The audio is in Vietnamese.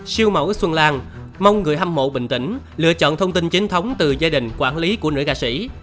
siêu mẫu xuân lan mong người hâm mộ bình tĩnh lựa chọn thông tin chính thống từ gia đình quản lý của nữ ca sĩ